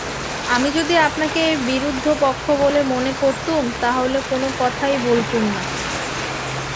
আমি যদি আপনাকে বিরুদ্ধপক্ষ বলে মনে করতুম তা হলে কোনো কথাই বলতুম না।